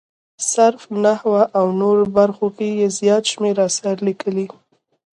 صرف، نحوه او نورو برخو کې یې زیات شمېر اثار لیکلي.